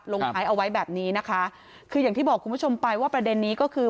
ลงท้ายเอาไว้แบบนี้นะคะคืออย่างที่บอกคุณผู้ชมไปว่าประเด็นนี้ก็คือ